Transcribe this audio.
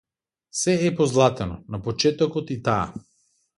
Сѐ е позлатено, на почетокот и таа.